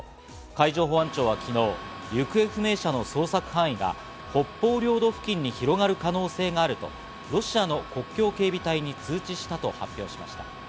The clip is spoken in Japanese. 海上保安庁は昨日、行方不明者の捜索範囲が北方領土付近に広がる可能性があると、ロシアの国境警備隊に通知したと発表しました。